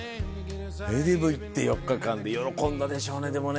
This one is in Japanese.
でも行って４日間で喜んだでしょうね、でもね。